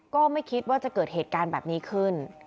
ก็ไม่คิดว่าจะเกิดเหตุการณ์แบบนี้ขึ้น